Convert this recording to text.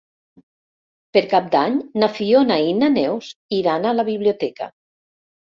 Per Cap d'Any na Fiona i na Neus iran a la biblioteca.